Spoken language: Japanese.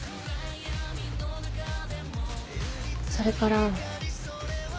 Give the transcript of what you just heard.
それから。